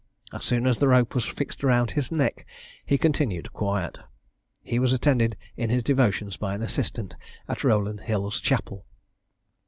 As soon as the rope was fixed round his neck, he continued quiet. He was attended in his devotions by an assistant at Rowland Hill's Chapel.